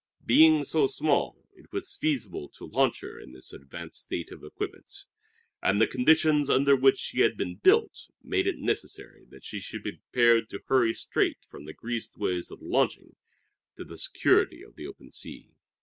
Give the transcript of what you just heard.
Being so small, it was feasible to launch her in this advanced state of equipment; and the conditions under which she had been built made it necessary that she should be prepared to hurry straight from the greased ways of the launching to the security of the open sea.